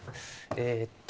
えっと